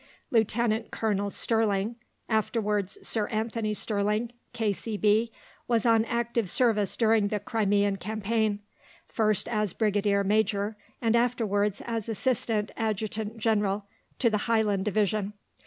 Lieutenant Colonel Sterling, afterwards Sir Anthony Sterling, K.C.B., was on active service during the Crimean campaign, first as brigade major, and afterwards as assistant adjutant general to the Highland division.